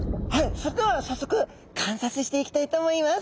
それでは早速観察していきたいと思います。